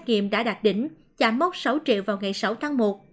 nghiệm đã đạt đỉnh giảm mốc sáu triệu vào ngày sáu tháng một